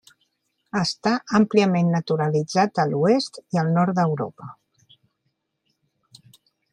Està àmpliament naturalitzat a l'oest i el nord d'Europa.